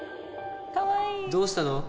どうしたの？